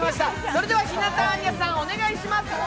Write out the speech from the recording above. それでは、日向アーニャさん、お願いします。